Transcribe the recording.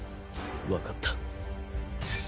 わかった。